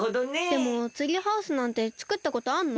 でもツリーハウスなんてつくったことあんの？